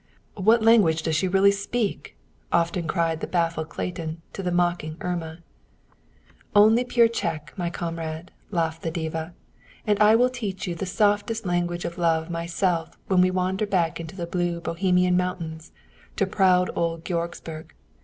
"What language does she really speak?" often cried the baffled Clayton to the mocking Irma. "Only pure Czech, my comrade," laughed the diva. "And I will teach you the softest language of Love myself when we wander back into the blue Bohemian mountains to proud old Georgsburg.